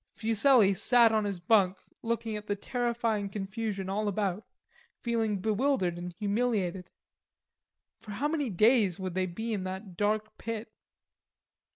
Fuselli sat on his bunk looking at the terrifying confusion all about, feeling bewildered and humiliated. For how many days would they be in that dark pit?